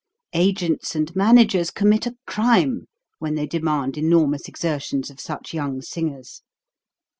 Agents and managers commit a crime when they demand enormous exertions of such young singers.